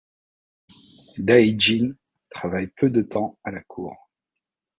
Dai Jin travaille peu de temps à la cour.